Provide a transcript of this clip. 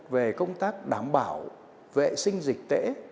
về công tác đảm bảo vệ sinh dịch tễ